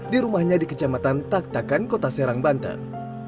di rumahnya di kecamatan taktakan kota serang banten